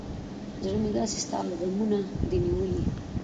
زړه مې داسې ستا غمونه دى نيولى.